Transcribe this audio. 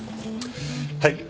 はい。